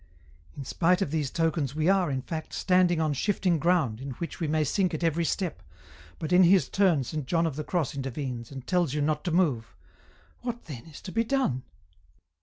*" In spite of these tokens, we are, in fact, standing on shifting ground in which we may sink at every step, but in his turn Saint John of the Cross intervenes, and tells you not to move. What then is to be done